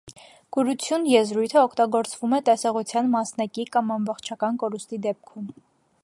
Կուրություն եզրույթը օգտանգործվում է տեսողության մասնակի կամ ամբողջական կորուստի դեպքում։